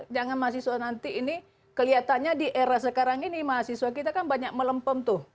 jangan mahasiswa nanti ini kelihatannya di era sekarang ini mahasiswa kita kan banyak melempem tuh